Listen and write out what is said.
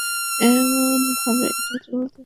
এমনভাবে এটা চলতেই থাকবে।